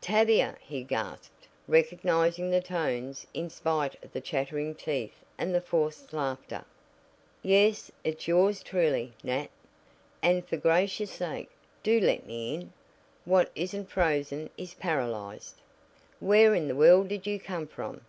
"Tavia!" he gasped, recognizing the tones in spite of the chattering teeth and the forced laughter. "Yes, it's yours truly, Nat. And for gracious' sake, do let me in. What isn't frozen is paralyzed." "Where in the world did you come from?"